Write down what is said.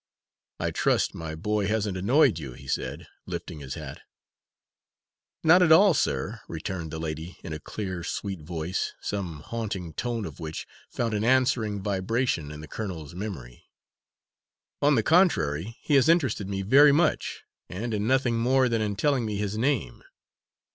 "I trust my boy hasn't annoyed you," he said, lifting his hat. "Not at all, sir," returned the lady, in a clear, sweet voice, some haunting tone of which found an answering vibration in the colonel's memory. "On the contrary, he has interested me very much, and in nothing more than in telling me his name.